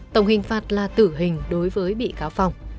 tổng hình phạt là tử hình đối với bị cáo phong